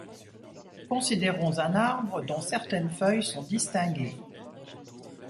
Considérons un arbre dont certaines feuilles sont distinguées.